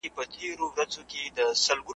په نامه یې جوړېدلای معبدونه ,